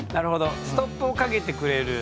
ストップをかけてくれる。